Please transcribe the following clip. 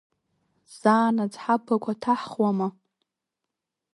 Заанаҵ ҳаблақәа ҭаҳхуама?